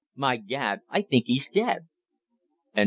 "My Gad, I think he's dead!"